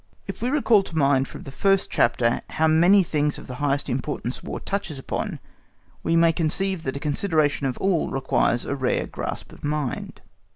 If we recall to mind from the first chapter how many things of the highest importance War touches upon, we may conceive that a consideration of all requires a rare grasp of mind.